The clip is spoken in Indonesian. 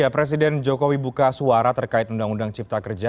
presiden jokowi buka suara terkait undang undang ciptakerja